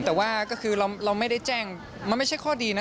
แต่ว่าก็คือเราไม่ได้แจ้งมันไม่ใช่ข้อดีนะ